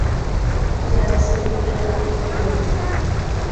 এটি আইসোইলেকট্রনিক থেকে বেনজিন।